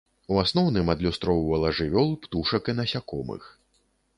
У асноўным адлюстроўвала жывёл, птушак і насякомых.